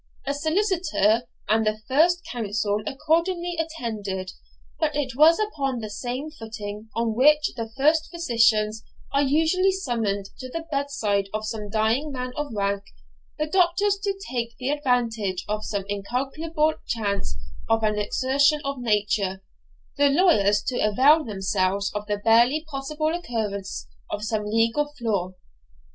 A solicitor and the first counsel accordingly attended; but it was upon the same footing on which the first physicians are usually summoned to the bedside of some dying man of rank the doctors to take the advantage of some incalculable chance of an exertion of nature, the lawyers to avail themselves of the barely possible occurrence of some legal flaw.